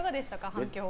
反響は。